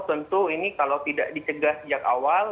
tentu ini kalau tidak dicegah sejak awal